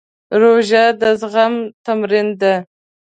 روژه د زغم تمرین دی.